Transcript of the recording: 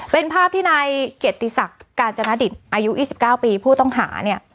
เป็นภาพที่นายเกียรติศักดิ์กาญจนดิตอายุ๒๙ปีผู้ต้องหาเนี่ย